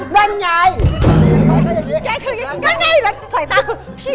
นะงี้